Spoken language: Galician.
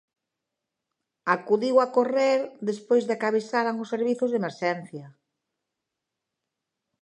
Acudiu a correr despois de que a avisaran os servizos de emerxencia.